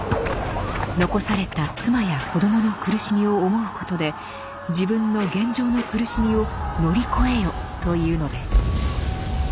残された妻や子どもの苦しみを思うことで自分の現状の苦しみを乗り越えよと言うのです。